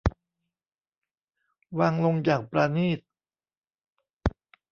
วางลงอย่างปราณีต